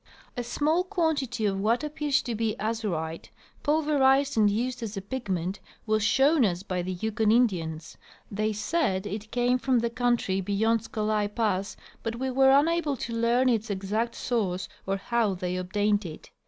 A small quantity of what appeared to be azurite, pulverized and used as a pigment, was shown us by the Yukon Indians. They said it came from the country beyond Scolai pass, but we were unable to learn its exact source or how they obtained it.